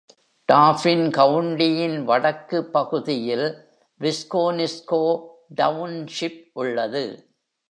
டாபின் கவுண்டியின் வடக்கு பகுதியில் விக்கோனிஸ்கோ டவுன்ஷிப் உள்ளது.